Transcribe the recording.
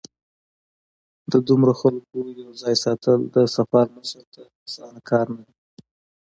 د دومره خلکو یو ځای ساتل د سفر مشر ته اسانه کار نه دی.